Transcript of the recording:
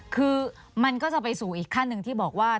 คือมันก็จะไปสู่อีกขั้นหนึ่งที่บอกว่า